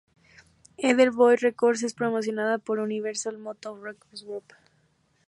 Ether Boy records es promocionada por Universal Motown Records Group.